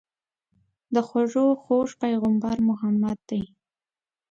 د خوږو خوږ پيغمبر محمد دي.